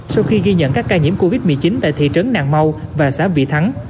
sau khi ghi nhận các ca nhiễm covid một mươi chín tại thị trấn nàng mau và xã vị thắng